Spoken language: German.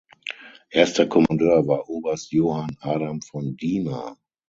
Erster Kommandeur war Oberst Johann Adam von Diemar.